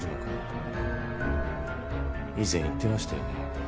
以前言ってましたよね。